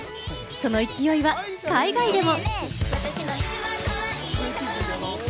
その勢いは海外でも。